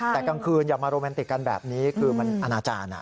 แต่กลางคืนอย่ามาโรแมนติกกันแบบนี้คือมันอนาจารย์